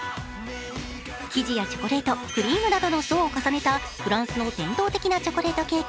生地やチョコレート、クリームなどの層を重ねたフランスの伝統的なチョコレートケーキ、